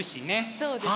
そうですね。